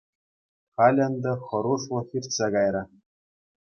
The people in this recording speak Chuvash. Халӗ ӗнтӗ хӑрушлӑх иртсе кайрӗ.